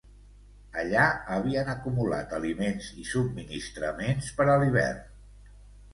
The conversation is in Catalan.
Allà havien acumulat aliments i subministraments per a l'hivern.